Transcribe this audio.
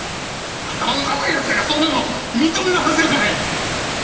頭の固い奴らがそんなものを認めるはずがない。